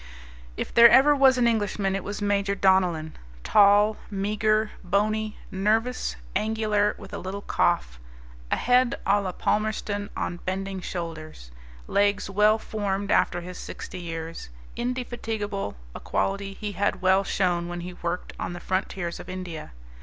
If there ever was an Englishman it was Major Donellan, tall, meagre, bony, nervous, angular, with a little cough, a head a la Palmerston, on bending shoulders; legs well formed after his sixty years; indefatigable, a quality he had well shown when he worked on the frontiers of India.